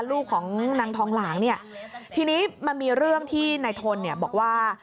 ลูกของนางทองหลางเนี่ยทีนี้มันมีเรื่องที่นายทนเนี่ยบอกว่า